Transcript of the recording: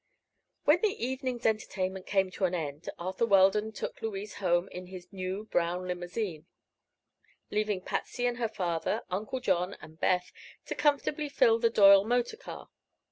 When the evening's entertainment came to an end Arthur Weldon took Louise home in his new brown limousine, leaving Patsy and her father, Uncle John and Beth to comfortably fill the Doyle motor car.